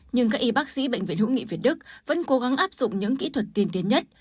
nhưng các y bác sĩ bệnh viện hữu nghị việt đức vẫn cố gắng áp dụng những kỹ thuật tiên tiến nhất